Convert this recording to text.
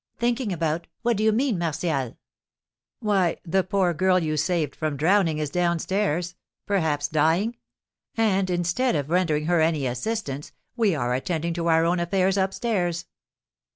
"Thinking about what do you mean, Martial?" "Why, the poor girl you saved from drowning is down stairs perhaps dying; and, instead of rendering her any assistance, we are attending to our own affairs up stairs."